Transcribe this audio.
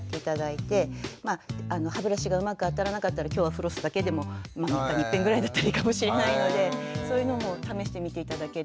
歯ブラシがうまくあたらなかったら今日はフロスだけでも３日にいっぺんぐらいだったらいいかもしれないのでそういうのも試してみて頂ければなと。